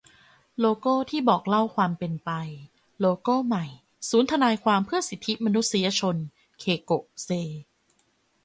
โลโก้ที่บอกเล่าความเป็นไป : โลโก้ใหม่ศูนย์ทนายความเพื่อสิทธิมนุษยชน - เคโกะ เซ